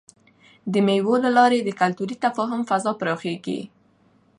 د مېلو له لاري د کلتوري تفاهم فضا پراخېږي.